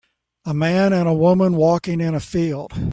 A man and a woman walking in a field